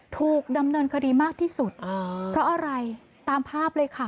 ถูกดำเนินคดีมากที่สุดอ๋อเพราะอะไรตามภาพเลยค่ะ